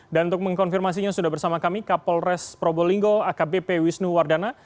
dan untuk mengkonfirmasinya sudah bersama kami kapolres probolinggo akbp wisnu wardana